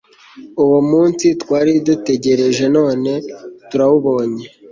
wo munsi twari dutegereje None turawubonye